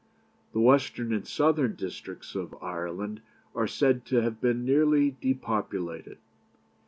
The western and southern districts of Ireland are said to have been nearly depopulated.